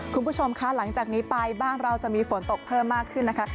คุณผู้ชมคะหลังจากนี้ไปบ้านเราจะมีฝนตกเพิ่มมากขึ้นนะคะ